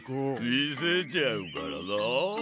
みせちゃうからなあ。